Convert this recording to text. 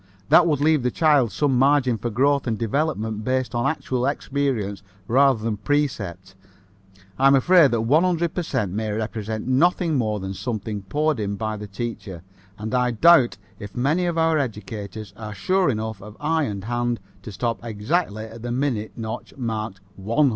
That would leave the child some margin for growth and development based on actual experience rather than precept. I'm afraid that the 100 per cent may represent nothing more than something poured in by the teacher, and I doubt if many of our educators are sure enough of eye and hand to stop exactly at the minute notch marked 100.